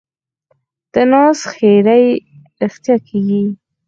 د ناز ښېرې رښتیا کېږي.